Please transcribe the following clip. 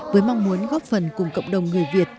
với mong muốn góp phần cùng cộng đồng người việt